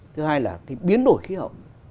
thứ hai là biến đổi khí hậu